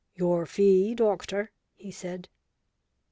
"Your fee, doctor," he said.